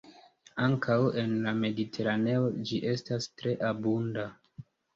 Ankaŭ en la Mediteraneo ĝi estas tre abunda.